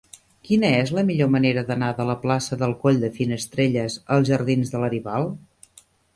Quina és la millor manera d'anar de la plaça del Coll de Finestrelles als jardins de Laribal?